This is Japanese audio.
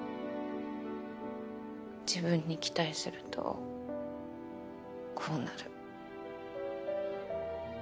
自分に期待するとこうなる。